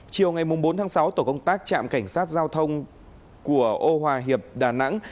chiều ngày bốn tháng sáu tổ công tác trạm cảnh sát giao thông của ô hòa hiệp đà nẵng